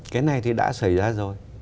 cái này thì đã xảy ra rồi